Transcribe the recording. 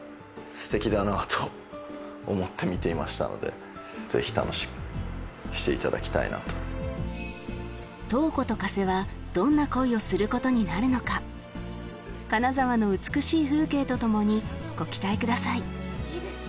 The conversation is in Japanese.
やっぱりぜひ楽しみにしていただきたいなと瞳子と加瀬はどんな恋をすることになるのか金沢の美しい風景とともにご期待ください